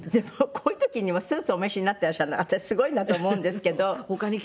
こういう時にもスーツお召しになってらっしゃるの私すごいなと思うんですけど。